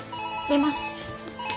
出ます。